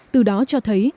từ đó cho thấy